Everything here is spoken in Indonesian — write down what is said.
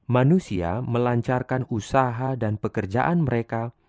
manusia melancarkan usaha dan pekerjaan mereka